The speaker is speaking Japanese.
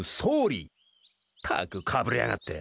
ったくかぶれやがって。